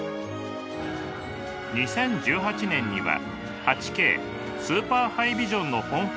２０１８年には８Ｋスーパーハイビジョンの本放送が開始。